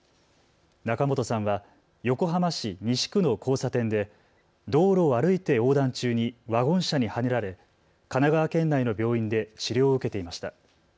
仲本さんは横浜市西区の交差点で道路を歩いて横断中にワゴン車にはねられ神奈川県内の病院で治療を受けていました。